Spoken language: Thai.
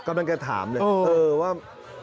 ก็มันแก้ถามเลยเออ